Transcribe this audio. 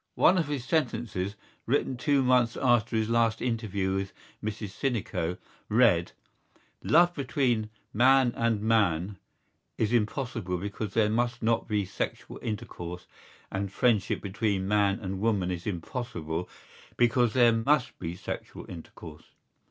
One of his sentences, written two months after his last interview with Mrs Sinico, read: Love between man and man is impossible because there must not be sexual intercourse and friendship between man and woman is impossible because there must be sexual intercourse.